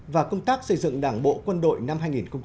và công tác xây dựng đảng bộ quân đội năm hai nghìn một mươi bảy